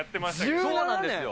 そうなんですよ。